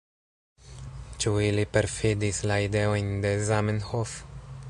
Ĉu ili perfidis la ideojn de Zamenhof?